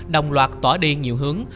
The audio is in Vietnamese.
đồng loạt tỏa đi nhiều hướng